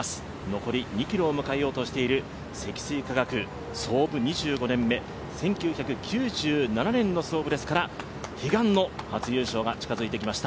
残り２ｋｍを迎えようとしている積水化学、創部２５年目、１９９７年の創部ですから悲願の初優勝が近づいてきました。